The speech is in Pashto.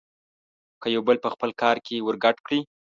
که يو بل په خپل کار کې ورګډ کړي.